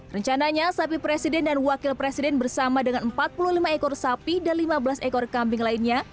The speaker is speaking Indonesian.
rencananya sapi presiden dan wakil presiden bersama dengan empat puluh lima ekor sapi dan lima belas ekor kambing lainnya